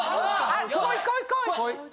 こいこいこい！